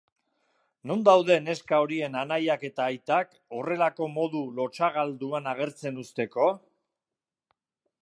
Non daude neska horien anaiak eta aitak, horrelako modu lotsagalduan agertzen uzteko?